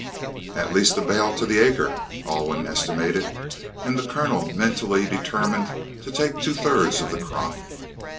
"At least a bale to the acre," Alwyn estimated, and the Colonel mentally determined to take two thirds of the crop.